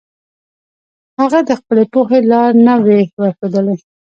هغه د خپلې پوهې لار نه وي ورښودلي.